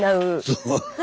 そう。